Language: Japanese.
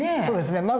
そうですね。